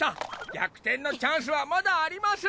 逆転のチャンスはまだあります！